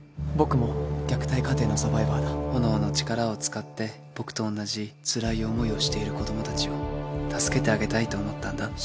「僕も虐待家庭のサバイバーだ」「炎の力を使って僕と同じつらい思いをしている子供たちを助けてあげたいと思ったんだ」